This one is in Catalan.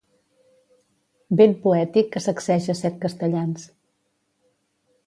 Vent poètic que sacseja set castellans.